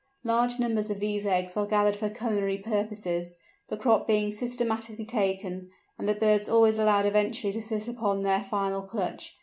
Large numbers of these eggs are gathered for culinary purposes, the crop being systematically taken, and the birds always allowed eventually to sit upon their final clutch.